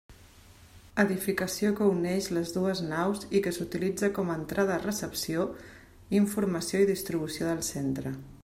Edificació que uneix les dues naus i que s'utilitza com a entrada-recepció, informació i distribució del centre.